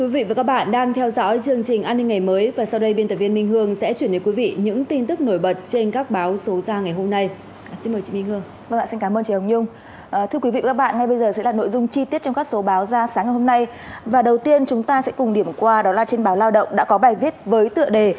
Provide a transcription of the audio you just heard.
và đầu tiên chúng ta sẽ cùng điểm qua đó là trên báo lao động đã có bài viết với tựa đề